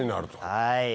はい。